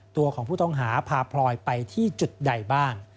ตัวของผู้ต้องหาพาพลอยไปที่จุดใดบ้าง